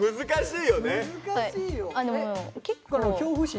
難しいよ。